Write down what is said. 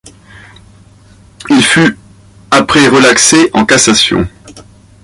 Il fut après relaxé en Cassation.